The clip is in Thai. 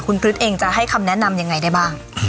คุณคริสเองจะให้คำแนะนำยังไงได้บ้าง